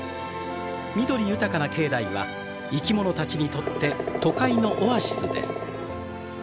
緑豊かな境内は生き物たちにとって都会のオアシスです。